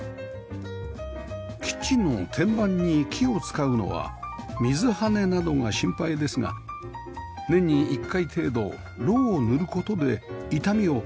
キッチンの天板に木を使うのは水はねなどが心配ですが年に１回程度ロウを塗る事で傷みを防ぐ事ができます